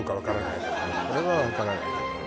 それは分からない